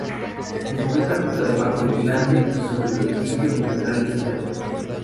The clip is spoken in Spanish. Se encuentra justo debajo del glande y sobre el orificio uretral externo.